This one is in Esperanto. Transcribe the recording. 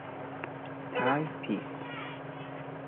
tajpis